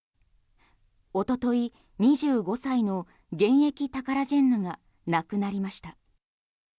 おととい２５歳の現役タカラジェンヌが亡くなりました。